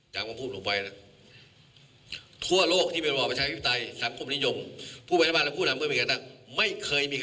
แจะแม่ไหว่เขียนอย่างนี้อีก